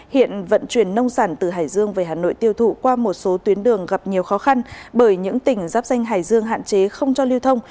hiện vận chuyển nông sản từ hải dương về hà nội tiêu thụ qua một số tuyến đường gặp nhiều khó khăn bởi những tỉnh giáp danh hải dương hạn chế không cho lưu thông